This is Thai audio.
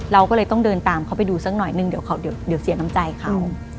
เราก็เลยต้องเดินตามเขาไปดูสักหน่อยนึงเดี๋ยวเสียน้ำใจเขา